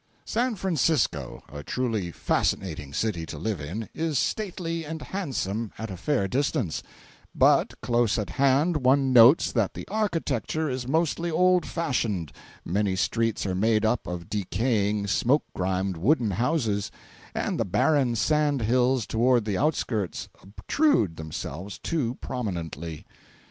409.jpg (49K) San Francisco, a truly fascinating city to live in, is stately and handsome at a fair distance, but close at hand one notes that the architecture is mostly old fashioned, many streets are made up of decaying, smoke grimed, wooden houses, and the barren sand hills toward the outskirts obtrude themselves too prominently.